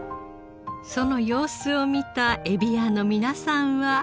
その様子を見た海老屋の皆さんは。